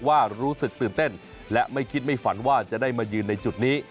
รู้สึกตื่นเต้นและไม่คิดไม่ฝันว่าจะได้มายืนในจุดนี้